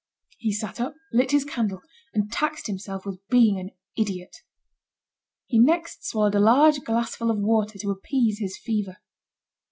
He sat up, lit his candle, and taxed himself with being an idiot. He next swallowed a large glassful of water to appease his fever.